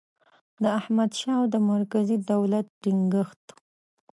د احمدشاه او د مرکزي دولت ټینګیښت